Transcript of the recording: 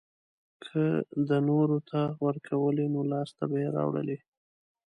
که ده نورو ته ورکولی نو لاسته به يې راوړلی.